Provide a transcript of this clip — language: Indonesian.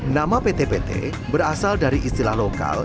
nama pt pt berasal dari istilah lokal